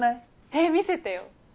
ええ見せてよ。